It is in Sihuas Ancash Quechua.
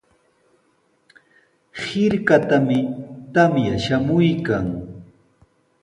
Hirkatami tamya shamuykan.